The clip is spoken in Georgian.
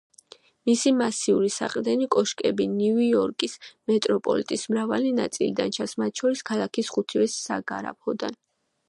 მისი მასიური საყრდენი კოშკები ნიუ-იორკის მეტროპოლიის მრავალი ნაწილიდან ჩანს, მათ შორის ქალაქის ხუთივე საგრაფოდან.